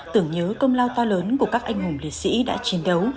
tưởng nhớ công lao to lớn của các anh hùng liệt sĩ đã chiến đấu